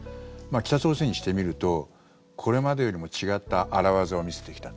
北朝鮮にしてみるとこれまでよりも違った荒業を見せてきた。